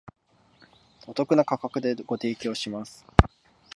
お得な価格でご提供します